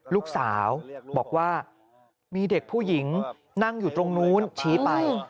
ลูกสาวบอกว่ามีเด็กผู้หญิงนั่งอยู่ตรงนู้นชี้ไป